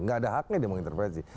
gak ada haknya dia mengintervensi